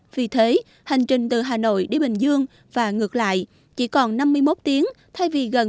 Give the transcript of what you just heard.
vì thế hành trình từ hà nội đi bình dương và ngược lại chỉ còn năm mươi một tiếng thay vì gần bảy mươi tiếng đồng hồ như trước đây